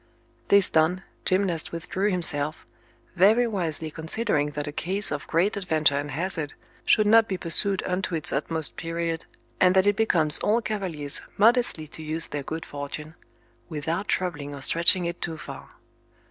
This done, Gymnast withdrew himself, very wisely considering that a case of great adventure and hazard should not be pursued unto its utmost period, and that it becomes all cavaliers modestly to use their good fortune, without troubling or stretching it too far.